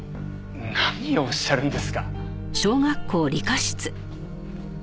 何をおっしゃるんですか。